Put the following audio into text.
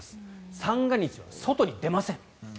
三が日は外に出ません。